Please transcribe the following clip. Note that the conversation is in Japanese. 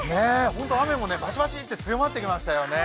ホント、雨もバチバチッと強まってきましたよね。